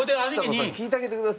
ちさ子さん聞いてあげてください